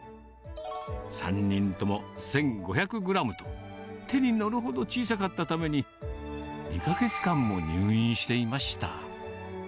３人とも１５００グラムと、手にのるほど小さかったために、２か月間も入院していました。